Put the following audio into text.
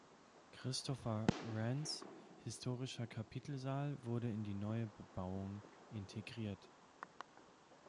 Christopher Wrens historischer Kapitelsaal wurde in die neue Bebauung integriert.